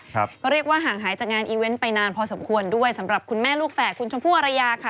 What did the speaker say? ก็เรียกว่าห่างหายจากงานอีเวนต์ไปนานพอสมควรด้วยสำหรับคุณแม่ลูกแฝดคุณชมพู่อรยาค่ะ